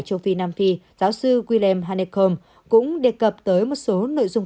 châu phi nam phi giáo sư wilem hanekom cũng đề cập tới một số nội dung